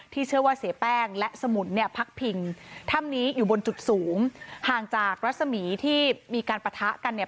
เชื่อว่าเสียแป้งและสมุนเนี่ยพักพิงถ้ำนี้อยู่บนจุดสูงห่างจากรัศมีที่มีการปะทะกันเนี่ย